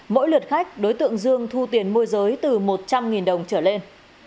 mỗi lượt khách đối tượng dương thu tiền môi giới từ một trăm linh đồng trở lên